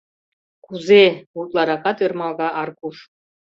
— Кузе?.. — утларакат ӧрмалга Аркуш.